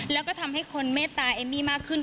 แล้วก็ทำให้คนเมตตาเอมมี่มากขึ้น